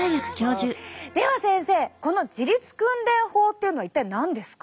では先生この自律訓練法っていうのは一体何ですか？